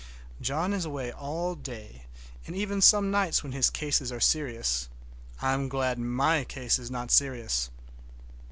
John is away all day, and even some nights when his cases are serious. I am glad my case is not serious!